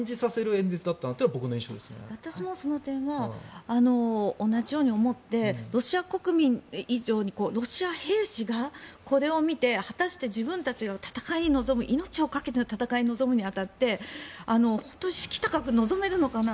演説だったなというのが私もその点は同じように思ってロシア国民以上にロシア兵士がこれを見て果たして自分たちが命を懸けて戦いに臨むに当たって本当に指揮高く臨めるのかな。